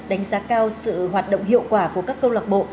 đánh giá cao sự hoạt động hiệu quả của các câu lạc bộ